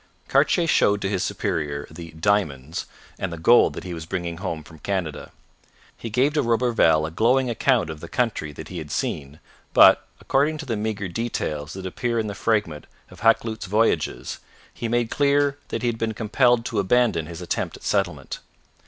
Cartier showed to his superior the 'diamonds' and the gold that he was bringing home from Canada. He gave to Roberval a glowing account of the country that he had seen, but, according to the meagre details that appear in the fragment in Hakluyt's Voyages, he made clear that he had been compelled to abandon his attempt at settlement.